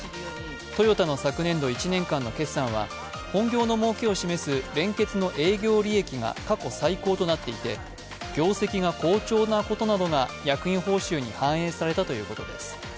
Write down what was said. トヨタの昨年度１年間の決算は、本業のもうけを示す連結の営業利益が過去最高となっていて、業績が好調なことなどが役員報酬に反映されたということです。